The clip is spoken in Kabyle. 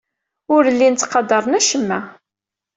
Ur llin ttqadaren acemma.